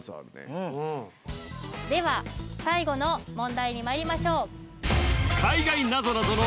うんでは最後の問題にまいりましょう・